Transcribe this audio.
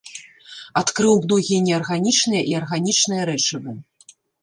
Адкрыў многія неарганічныя і арганічныя рэчывы.